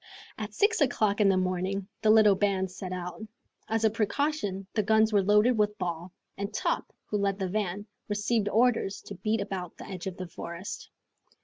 At six o'clock in the morning the little band set out. As a precaution the guns were loaded with ball, and Top, who led the van, received orders to beat about the edge of the forest.